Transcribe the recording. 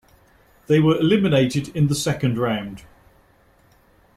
They were eliminated in the second round.